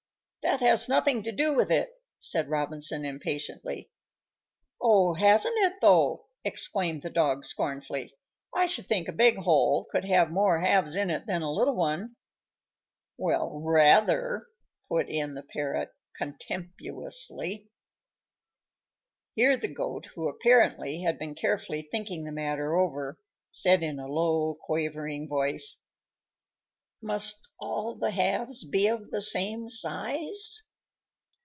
"That has nothing to do with it," said Robinson, impatiently. "Oh! hasn't it, though!" exclaimed the Dog, scornfully. "I should think a big hole could have more halves in it than a little one." "Well, rather," put in the Parrot, contemptuously. Here the Goat, who apparently had been carefully thinking the matter over, said in a low, quavering voice, "Must all the halves be of the same size?"